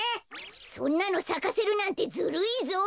そんなのさかせるなんてずるいぞ！